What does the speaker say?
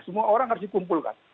semua orang harus dikumpulkan